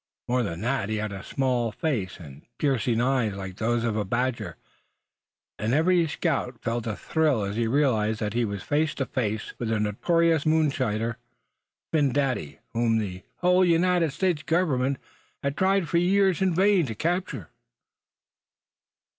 More than that, he had a small face, and piercing eyes like those of a badger. And every scout felt a thrill as he realized that he was face to face with the notorious moonshiner, Phin Dady, whom the whole United States Government had tried for years in vain to capture.